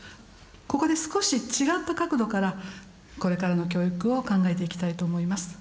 ここで少し違った角度からこれからの教育を考えていきたいと思います。